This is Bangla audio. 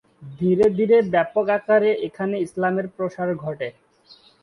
ধীরে ধীরে ব্যাপক আকারে এখানে ইসলামের প্রসার ঘটে।